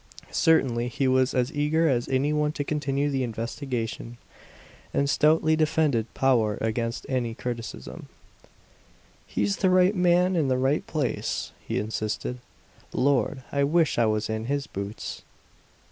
Certainly he was as eager as any one to continue the investigation, and stoutly defended Powart against any criticism. "He's the right man in the right place!" he insisted. "Lord, I wish I was in his boots!"